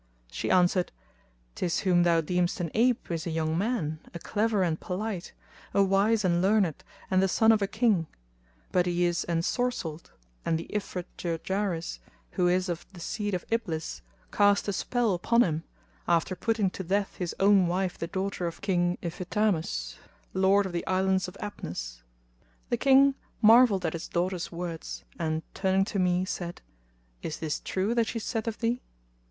She answered, "This whom thou deemest an ape is a young man, a clever and polite, a wise and learned and the son of a King; but he is ensorcelled and the Ifrit Jirjaris, who is of the seed of Iblis, cast a spell upon him, after putting to death his own wife the daughter of King Ifitamus lord of the Islands of Abnus." The King marvelled at his daughter's words and, turning to me, said, "Is this true that she saith of thee?"